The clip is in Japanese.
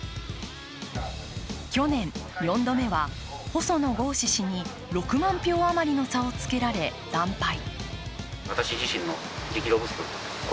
去年、４度目は細野豪志氏に６万票余りの差をつけられ惨敗。